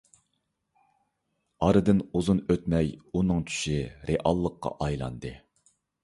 ئارىدىن ئۇزۇن ئۆتمەي ئۇنىڭ چۈشى رېئاللىققا ئايلاندى.